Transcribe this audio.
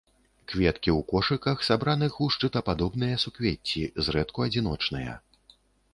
Кветкі ў кошыках, сабраных у шчытападобныя суквецці, зрэдку адзіночныя.